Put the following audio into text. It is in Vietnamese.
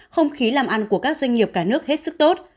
không khí làm ăn của các doanh nghiệp cả nước hết sức tốt